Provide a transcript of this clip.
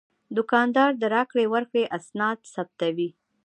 دوکاندار د راکړې ورکړې اسناد ثبتوي.